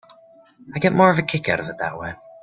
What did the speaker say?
I get more of a kick out of it that way.